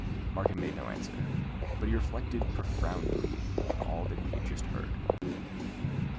Markham made no answer; but he reflected profoundly on all that he had just heard.